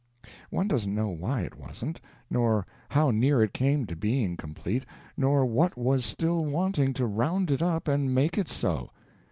One doesn't know why it wasn't, nor how near it came to being complete, nor what was still wanting to round it up and make it so.